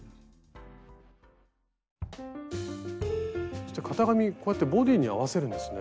そして型紙こうやってボディーに合わせるんですね。